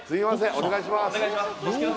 お願いします